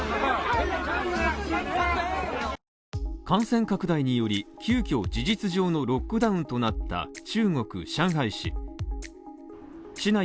感染拡大により急きょ事実上のロックダウンとなった中国・上海市。